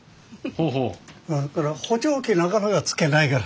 それから「補聴器」なかなかつけないから。